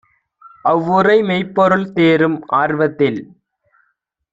அவ்வுரை மெய்ப்பொருள் தேரும் ஆர்வத்தில்